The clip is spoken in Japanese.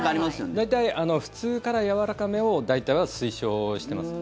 大体、普通からやわらかめを推奨しています。